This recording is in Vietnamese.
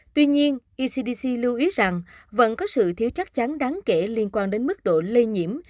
tuy nhiên ecdc lưu ý rằng vẫn có sự thiếu chắc chắn đáng kể liên quan đến mức độ lây nhiễm